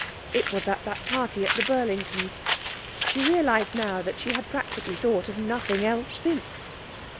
It was at that party at the Burlingtons. She realised now that she had practically thought of nothing else since.